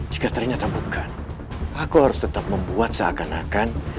jika ternyata bukan aku harus tetap membuat seakan akan